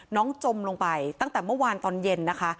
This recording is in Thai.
จมลงไปตั้งแต่เมื่อวานตอนเย็นนะคะ